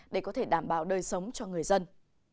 đảm bảo đời sống cho người dân